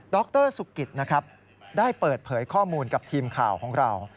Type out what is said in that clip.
รสุกิตนะครับได้เปิดเผยข้อมูลกับทีมข่าวของเรา